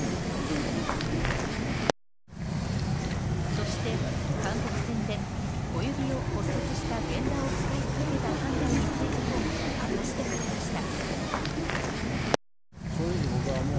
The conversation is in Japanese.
そして韓国戦で小指を骨折した源田を使い続けた判断についても明かしてくれました。